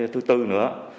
thứ tư nữa